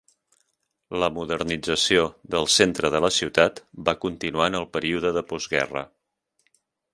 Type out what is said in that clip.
La modernització del centre de la ciutat va continuar en el període de postguerra.